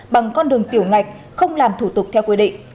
bằng con đường tiểu ngạch không làm thủ tục theo quy định